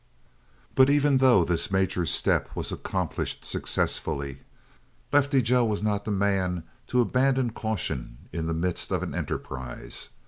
3 But even though this major step was accomplished successfully, Lefty Joe was not the man to abandon caution in the midst of an enterprise.